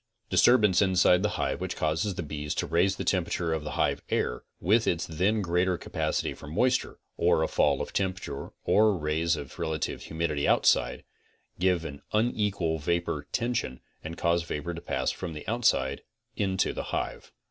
Disturbance inside the hive which causes the bees to raise the temperature of the hive air, with its then greater capacity for moisture, or a fall of temperature or raise of relative hu CONSTRUCTIVE BEEKEEPING 39 midity outside, give an unequal vapor tention and cause vapor to pass from the outside into the hive.